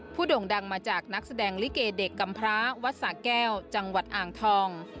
โด่งดังมาจากนักแสดงลิเกเด็กกำพระวัดสะแก้วจังหวัดอ่างทอง